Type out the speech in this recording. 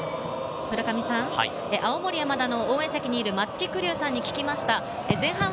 青森山田の応援席にいる松木玖生さんに聞きました。